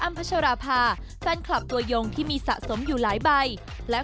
พัชราภาแฟนคลับตัวยงที่มีสะสมอยู่หลายใบแล้ว